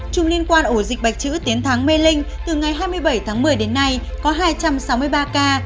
trung liên quan ổ dịch bạch chữ tiến tháng mê linh từ ngày hai mươi bảy tháng một mươi đến nay có hai trăm sáu mươi ba ca